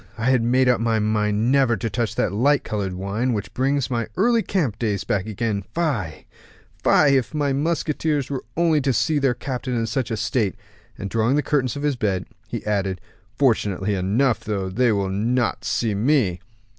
_ I had made up my mind never to touch that light colored wine, which brings my early camp days back again. Fie! fie! if my musketeers were only to see their captain in such a state." And drawing the curtains of his bed, he added, "Fortunately enough, though, they will not see me."